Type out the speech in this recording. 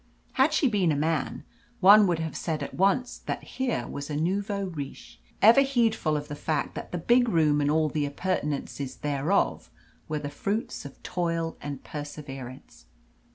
Had she been a man, one would have said at once that here was a nouveau riche, ever heedful of the fact that the big room and all the appurtenances thereof were the fruits of toil and perseverance.